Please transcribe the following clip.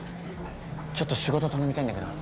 ちょっと仕事頼みたいんだけど。